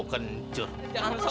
beri jho beri